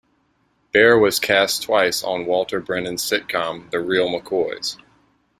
Baer was cast twice on Walter Brennan's sitcom, "The Real McCoys".